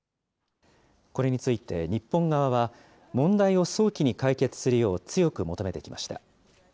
これについて、日本側は、問題を早期に解決するよう強く求めてきました。